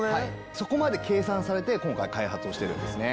そこまで計算されて今回開発をしてるんですね。